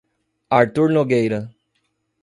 Artur Nogueira